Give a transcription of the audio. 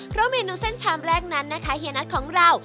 เพราะเมนูเส้นชามแรกนั้นนะคะเฮียน็อตของเรา